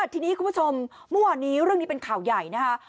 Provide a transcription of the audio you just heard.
ทีนี้คุณผู้ชมเมื่อวานนี้เรื่องนี้เป็นข่าวใหญ่นะคะ